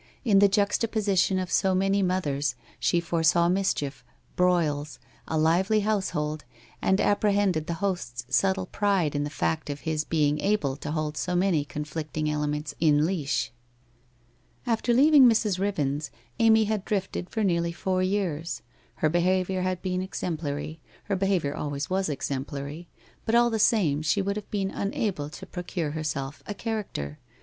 In the juxtaposition of so many mothers, she foresaw mischief, broils, a lively household, and apprehended the host's subtle pride in the fact of his being able to hold so many conflicting elements in leash. After leaving Mrs. Riven's, Amy had drifted for nearly four years. Her behaviour had been exemplary — her be haviour always was exemplary — but all the same she would have been unable to procure herself a ' character.'